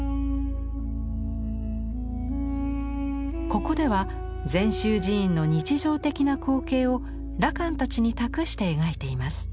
ここでは禅宗寺院の日常的な光景を羅漢たちに託して描いています。